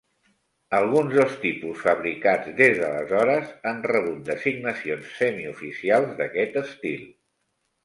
Alguns dels tipus fabricats des d'aleshores han rebut designacions semioficials d'aquest estil.